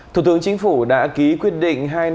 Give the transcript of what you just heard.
thủ tướng chính phủ đã ký quyết định